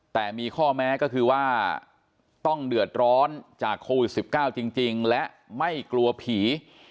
แต่มีข้อแม้ก็คือว่าต้องเดือดร้อนจากโควิด๑๙จริงและไม่กลัวผี